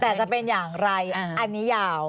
แต่จะเป็นอย่างไรอันนี้ยาว